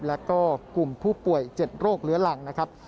แล้วก็กลุ่มผู้ป่วย๗โรคเลื้อหลังนะครับ